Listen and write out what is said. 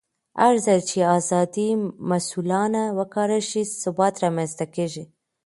هرځل چې ازادي مسؤلانه وکارول شي، ثبات رامنځته کېږي.